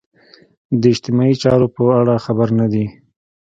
د اجتماعي چارو په اړه خبر نه دي.